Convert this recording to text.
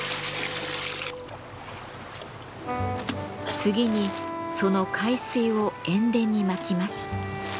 次にその海水を塩田にまきます。